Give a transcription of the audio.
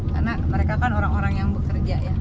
karena mereka kan orang orang yang bekerja ya